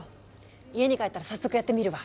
家に帰ったら早速やってみるわ！